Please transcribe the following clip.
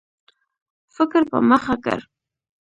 فکر په مخه کړ.